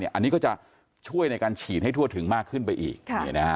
อันนี้ก็จะช่วยในการฉีดให้ทั่วถึงมากขึ้นไปอีก